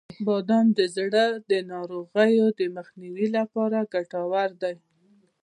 • بادام د زړه د ناروغیو د مخنیوي لپاره ګټور دي.